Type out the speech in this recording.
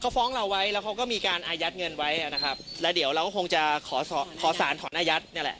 เขาฟ้องเราไว้แล้วเขาก็มีการอายัดเงินไว้นะครับแล้วเดี๋ยวเราก็คงจะขอขอสารถอนอายัดนี่แหละ